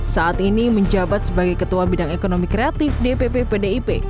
saat ini menjabat sebagai ketua bidang ekonomi kreatif dpp pdip